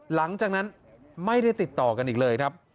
หลังจากนั้นไม่ได้ติดต่อกันอีกเลยครับ